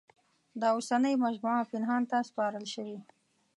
دا اوسنۍ مجموعه پنهان ته سپارل شوې.